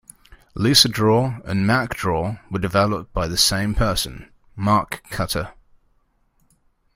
LisaDraw and MacDraw were developed by the same person, Mark Cutter.